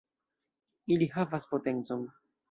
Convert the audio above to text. Ili havas potencon.